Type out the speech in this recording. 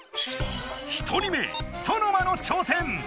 １人目ソノマの挑戦！